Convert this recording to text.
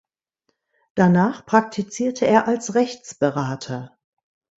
Danach praktizierte er als Rechtsberater.